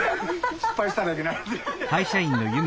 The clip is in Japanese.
失敗したらいけないので。